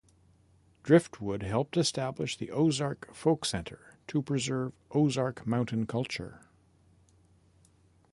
Driftwood helped establish the Ozark Folk Center to preserve Ozark Mountain culture.